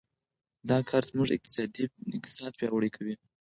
دا کار زموږ اقتصاد پیاوړی کوي.